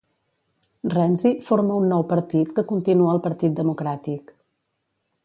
Renzi forma un nou partit que continua el partit Democràtic.